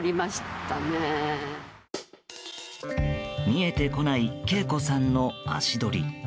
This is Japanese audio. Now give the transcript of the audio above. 見えてこない敬子さんの足取り。